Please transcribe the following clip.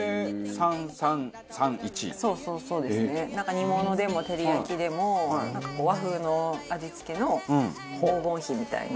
煮物でも照り焼きでもなんかこう和風の味付けの黄金比みたいな。